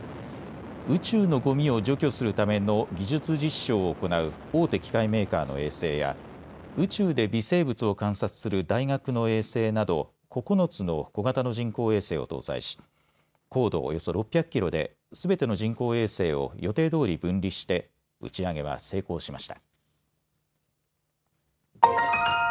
宇宙のごみを除去するための技術実証を行う大手機械メーカーの衛星や宇宙で微生物を観察する大学の衛星など９つの小型の人工衛星を搭載し、高度およそ６００キロですべての人工衛星を予定どおり分離して打ち上げは成功しました。